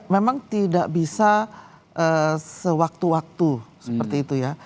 memang tidak bisa sewaktu waktu seperti itu ya